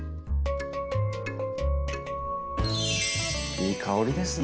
いい香りですね。